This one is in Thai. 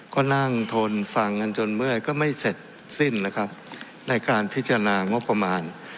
ก็นั่งทนฟังกันจนเมื่อยก็ไม่เสร็จสิ้นนะครับในการพิจารณางบประมาณ